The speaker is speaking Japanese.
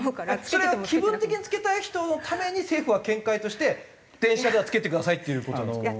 それは気分的に着けたい人のために政府は見解として電車では着けてくださいっていう事なんですか？